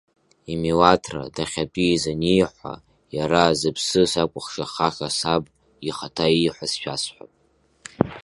Имилаҭра, дахьатәиз аниҳәа, иара, зыԥсы сакәыхшахаша саб, ихаҭа ииҳәаз шәасҳәап…